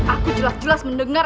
aku jelas jelas mendengar